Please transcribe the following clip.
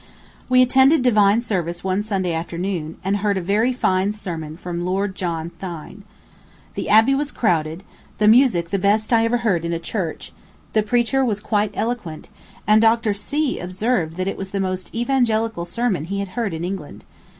We attended divine service one Sunday afternoon, and heard a very fine sermon from Lord John Thynne. The abbey was crowded; the music the best I ever heard in a church; the preacher was quite eloquent; and Dr. C. observed that it was the most evangelical sermon he had heard in England.